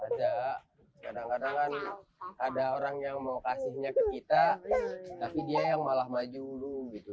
ada kadang kadang kan ada orang yang mau kasihnya ke kita tapi dia yang malah maju lu gitu